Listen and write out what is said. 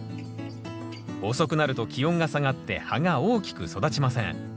遅くなると気温が下がって葉が大きく育ちません。